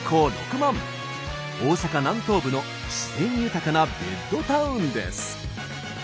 大阪南東部の自然豊かなベッドタウンです。